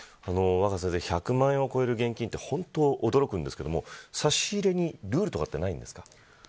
１００万円を超える現金は本当に驚くんですけど差し入れにルールとかないんですか。